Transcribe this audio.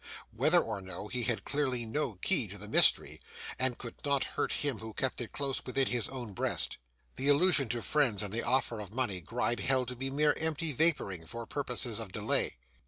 Whether or no, he had clearly no key to the mystery, and could not hurt him who kept it close within his own breast. The allusion to friends, and the offer of money, Gride held to be mere empty vapouring, for purposes of delay.